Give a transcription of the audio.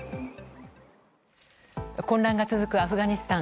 混乱が続くアフガニスタン。